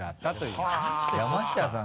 山下さん